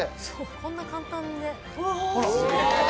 こんな簡単で。